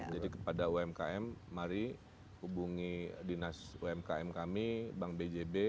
jadi kepada umkm mari hubungi dinas umkm kami bank bjp